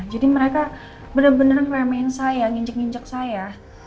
jadi mereka bener bener ngeremehin saya nginjek nginjek saya